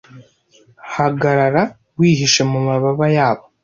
Hagarara wihishe mu mababa yabo.